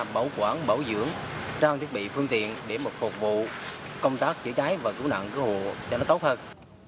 bảo quản bảo dưỡng trao thiết bị phương tiện để phục vụ công tác cháy cháy và cố nạn cố hộ cho nó tốt hơn